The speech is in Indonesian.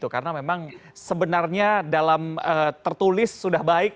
karena memang sebenarnya dalam tertulis sudah baik